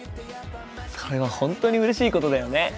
それは本当にうれしいことだよね。